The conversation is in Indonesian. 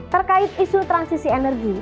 terkait isu transisi energi